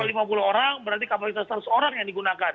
kalau lima puluh orang berarti kapasitas seratus orang yang digunakan